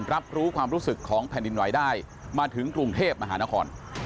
รับรู้ความรู้สึกของแผ่นดินไหวได้มาถึงกรุงเทพมหานคร